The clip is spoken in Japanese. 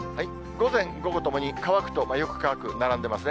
午前、午後ともに乾くと、よく乾く並んでますね。